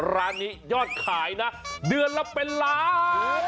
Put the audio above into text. ร้านนี้ยอดขายนะเดือนละเป็นล้าน